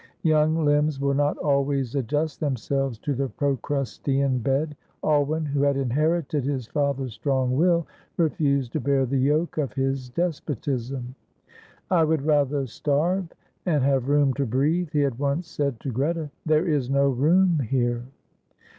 Young limbs will not always adjust themselves to the Procrustean bed. Alwyn, who had inherited his father's strong will, refused to bear the yoke of his despotism. "I would rather starve, and have room to breathe," he had once said to Greta. "There is no room here."